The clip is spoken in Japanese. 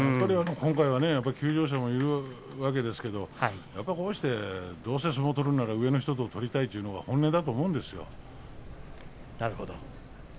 今回は休場者がいるわけですがこうして、どうせ相撲を取るなら上の人と相撲を取りたいというのが本音なんですよ。